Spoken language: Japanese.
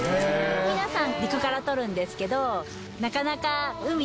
皆さん陸から撮るんですけどなかなか。